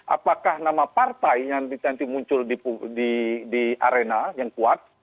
apakah nama partai nanti muncul di arena yang kuat